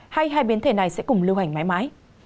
hay hai biến thể này sẽ cùng lưu hành mãi mãi